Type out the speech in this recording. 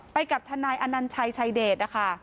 ไปกับทนายอนัญชัยชายเดชนะคะ